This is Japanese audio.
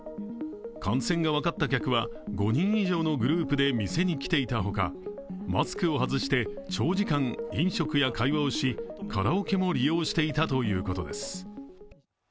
感染が分かった客は５人以上のグループで店に来ていた他、マスクを外して、長時間飲食や会話をしカラオケも利用していたということです。